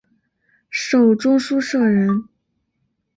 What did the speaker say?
授中书舍人。